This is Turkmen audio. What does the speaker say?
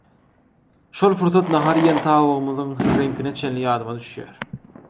şol pursat nahar iýen tabagymyzyň reňkine çenli ýadyma düşýär